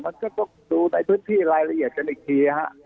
มันก็ต้องดูในพื้นที่รายละเอียดกันอีกที